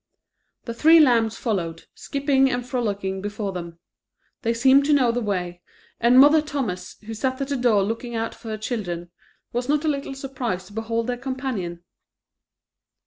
The three lambs followed, skipping and frolicking before them they seemed to know the way; and Mother Thomas, who sat at the door looking out for her children, was not a little surprised to behold their companion.